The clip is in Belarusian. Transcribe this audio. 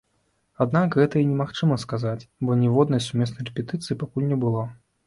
Аднак, гэта і немагчыма сказаць, бо ніводнай сумеснай рэпетыцыі пакуль не было.